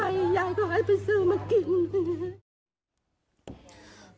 ยายก็นั่งร้องไห้ลูบคลำลงศพตลอดเวลา